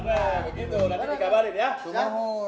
nanti dikabarin ya